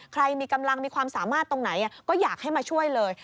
ใครมีกำลังมีความสามารถตรงไหนก็อยากให้มาช่วยเลย